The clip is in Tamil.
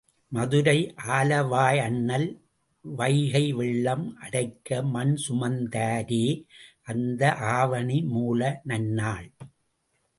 மதுரை ஆலவாயண்ணல் வைகை வெள்ளம் அடைக்க மண் சுமந்தாரே அந்த ஆவணிமூல நன்னாள்!